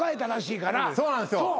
そうなんですよ